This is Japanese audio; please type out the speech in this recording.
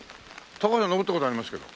高尾山登った事ありますけど。